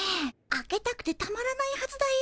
開けたくてたまらないはずだよ。